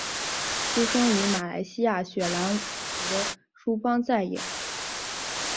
出生于马来西亚雪兰莪梳邦再也。